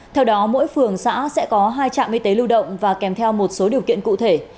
theo đó mỗi phường xã sẽ có hai trạm y tế lưu động và kèm theo một số điều kiện cụ thể